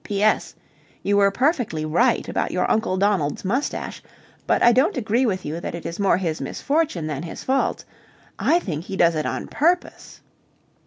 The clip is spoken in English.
P.S. You were perfectly right about your Uncle Donald's moustache, but I don't agree with you that it is more his misfortune than his fault. I think he does it on purpose.